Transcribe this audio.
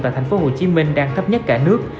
tại tp hcm đang thấp nhất cả nước